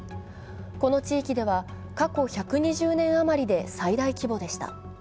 この地域では過去１２０年余りで最大規模でした。